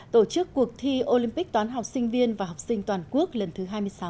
tổ chức cuộc thi olympic toán học sinh viên và học sinh toàn quốc lần thứ hai mươi sáu